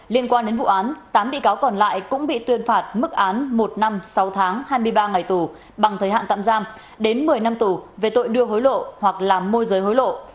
liên quan đến vụ án tám bị cáo còn lại cũng bị tuyên phạt mức án một năm sáu tháng hai mươi ba ngày tù bằng thời hạn tạm giam đến một mươi năm tù về tội đưa hối lộ hoặc làm môi giới hối lộ